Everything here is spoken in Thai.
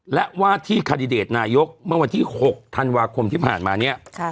และว่าที่คาดิเดตนายกเมื่อวันที่๖ธันวาคมที่ผ่านมาเนี่ย